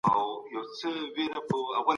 ژوند د امید څراغ